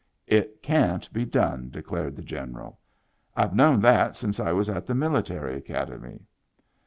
" It can't be done !" declared the General. " I've known that since I was at the Military Academy."